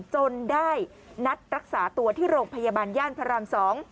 จนได้นัดรักษาตัวที่โรงพยาบาลย่านพระราม๒